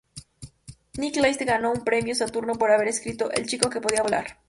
Nick Castle ganó una Premio Saturno por haber escrito "El Chico Que Podía Volar".